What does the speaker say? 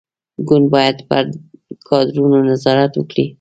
ګوند باید پر کادرونو نظارت وکړي.